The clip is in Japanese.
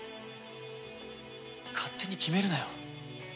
勝手に決めるなよ。